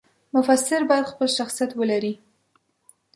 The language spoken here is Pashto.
مفسر باید خپل شخصیت ولري.